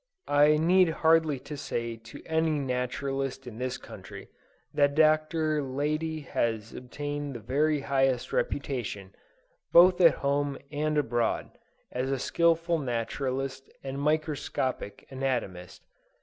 I need hardly say to any Naturalist in this country, that Dr. Leidy has obtained the very highest reputation, both at home and abroad, as a skillful naturalist and microscopic anatomist.